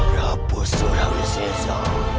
rapuh surah al sisa